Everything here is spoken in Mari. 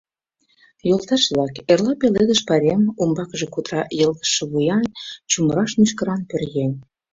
— Йолташ-влак, эрла — Пеледыш пайрем! — умбакыже кутыра йылгыжше вуян, чумыраш мӱшкыран пӧръеҥ.